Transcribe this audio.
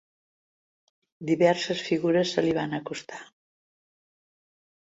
Diverses figures se li van acostar.